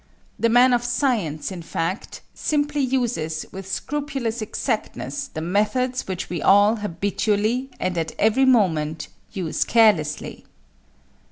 The man of science, in fact, simply uses with scrupulous exactness the methods which we all habitually, and at every moment, use carelessly.